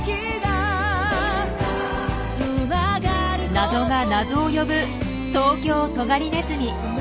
謎が謎を呼ぶトウキョウトガリネズミ。